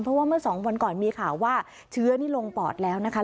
เพราะว่าเมื่อสองวันก่อนมีข่าวว่าเชื้อนี่ลงปอดแล้วนะคะ